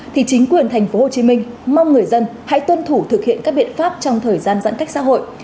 thì chính quyền tp hcm mong người dân hãy tuân thủ thực hiện các biện pháp trong thời gian giãn cách xã hội